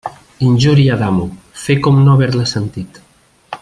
Injúria d'amo, fer com no haver-la sentit.